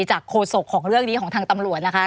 โฆษกของเรื่องนี้ของทางตำรวจนะคะ